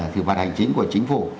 thử phạt hành chính của chính phủ